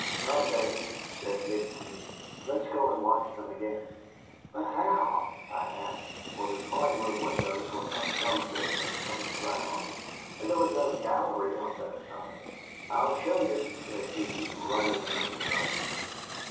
"Come, Davy," said Nick to me, "let's go and watch them again." "But how?" I asked, for the drawing room windows were up some distance from the ground, and there was no gallery on that side. "I'll show you," said he, running into the garden.